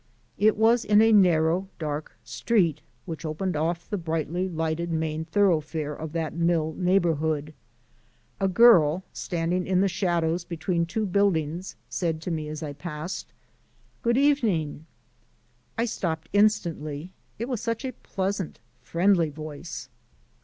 It was in a narrow, dark street which opened off the brightly lighted main thoroughfare of that mill neighbourhood. A girl standing in the shadows between two buildings said to me as I passed: "Good evening." I stopped instantly, it was such a pleasant, friendly voice.